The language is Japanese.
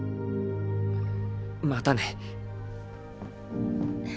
またね。